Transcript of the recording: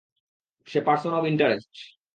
Say person of interest.